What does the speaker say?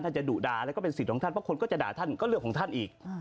ถ้าจะดุด่าแล้วก็เป็นสิทธิ์ท่านเพราะคนก็จะด่าท่านก็เรื่องของท่านอีก